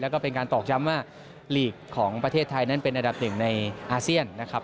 แล้วก็เป็นการตอกย้ำว่าลีกของประเทศไทยนั้นเป็นอันดับหนึ่งในอาเซียนนะครับ